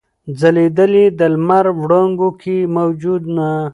ځلېدل یې د لمر وړانګو کي موجونه